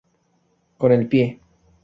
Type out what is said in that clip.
Con el pie".